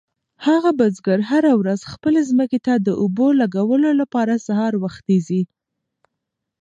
هغه بزګر هره ورځ خپلې ځمکې ته د اوبو لګولو لپاره سهار وختي ځي.